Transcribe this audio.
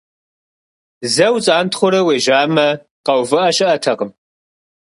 Зэ уцӀантхъуэрэ уежьамэ, къэувыӀэ щыӀэтэкъым.